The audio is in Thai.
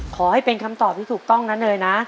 ขอให้เป็นคำตอบที่ถูกต้องนะเนยนะ